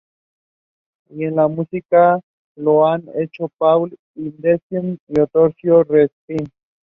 Y en música lo han hecho Paul Hindemith y Ottorino Respighi.